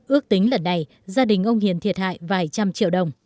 ước tính lần này gia đình ông hiền thiệt hại vài trăm triệu đồng